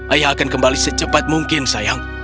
ayah akan kembali secepat mungkin sayang